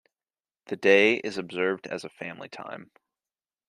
The day is observed as a family time.